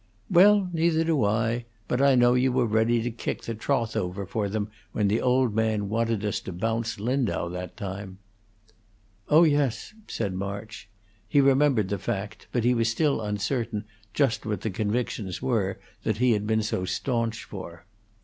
"Well, neither do I; but I know you were ready to kick the trough over for them when the old man wanted us to bounce Lindau that time." "Oh yes," said March; he remembered the fact; but he was still uncertain just what the convictions were that he had been so stanch for.